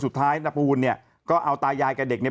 นายภูลเนี่ยก็เอาตายายกับเด็กเนี่ย